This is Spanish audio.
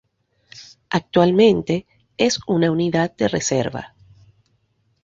Actualmente, es una unidad de reserva.